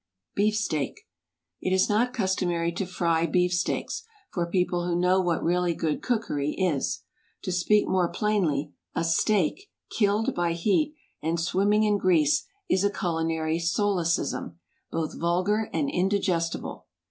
BEEF STEAK. It is not customary to fry beef steaks for people who know what really good cookery is. To speak more plainly, a steak, killed by heat and swimming in grease, is a culinary solecism, both vulgar and indigestible.